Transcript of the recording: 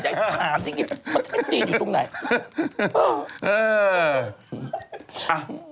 ไอ้ผ่านมันจะจีบอยู่ตรงไหน